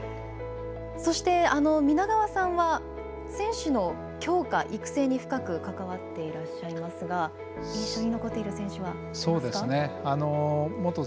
そして、皆川さんは選手の強化、育成に深く関わっていらっしゃいますが印象に残っている選手はいますか。